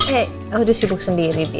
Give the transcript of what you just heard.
eh aku udah sibuk sendiri dia